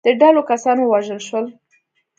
د ډلو کسان ووژل شول.